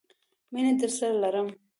مینه درسره لرم!